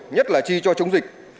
nhất là chi cho chống dịch